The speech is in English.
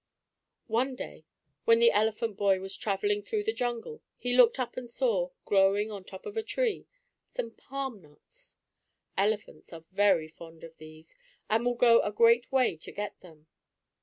One day, when the elephant boy was traveling through the jungle he looked up and saw, growing on top of a tree, some palm nuts. Elephants are very fond of these, and will go a great way to get them.